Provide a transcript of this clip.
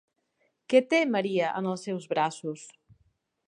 Què té Maria en els seus braços?